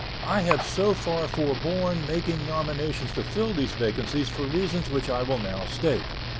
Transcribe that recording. I have so far forborne making nominations to fill these vacancies for reasons which I will now state.